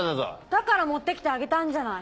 だから持って来てあげたんじゃない。